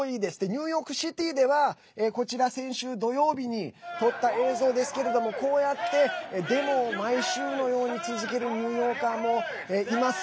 ニューヨークシティーではこちら、先週土曜日に撮った映像ですけれどもこうやってデモを毎週のように続けるニューヨーカーもいます。